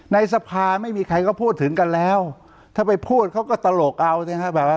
ในสภาไม่มีใครเขาพูดถึงกันแล้วถ้าไปพูดเขาก็ตลกเอานะฮะ